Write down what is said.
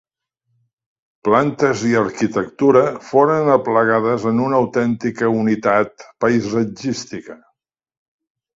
Plantes i arquitectura foren aplegades en una autèntica unitat paisatgística.